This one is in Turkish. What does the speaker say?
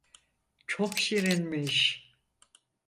Çok şirinmiş.